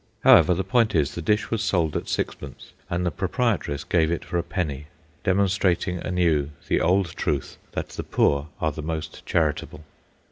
However, the point is, the dish was sold at sixpence, and the proprietress gave it for a penny, demonstrating anew the old truth that the poor are the most charitable.